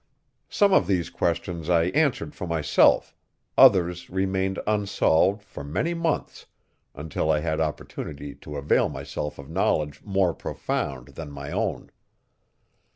Some of these questions I answered for myself, others remained unsolved for many months, until I had opportunity to avail myself of knowledge more profound than my own.